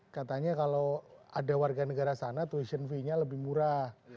katanya kalau ada warga negara sana tuition fee nya lebih murah